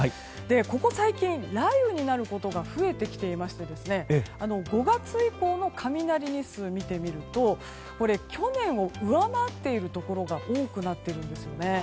ここ最近、雷雨になることが増えてきていまして５月以降の雷日数を見てみると去年を上回っているところが多くなっているんですよね。